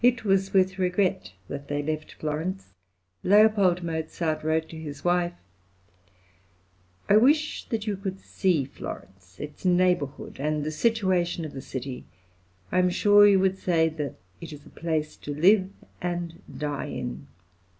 It was with regret that they left Florence; Leopold Mozart wrote to his wife: "I wish that you could see Florence, its neighbourhood, and the situation of the city; I am sure you would say that it is a place to live and die in."